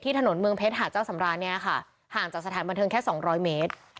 ที่ถนนเมืองเพชรหาเจ้าสำรรรณ์ห่างจากสถานบันเทิงแค่๒๐๐เมตร